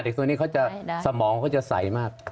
เด็กสมนิษย์เขาจะสมองเขาจะใสมาก